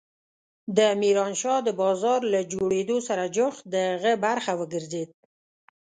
د ميرانشاه د بازار له جوړېدو سره جوخت د هغه برخه وګرځېد.